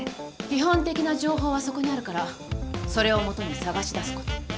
基本的な情報はそこにあるからそれをもとに捜し出すこと。